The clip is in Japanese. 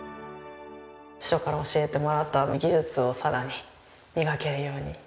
師匠から教えてもらった技術をさらに磨けるように。